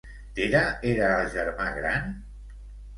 Tèrah era el germà gran?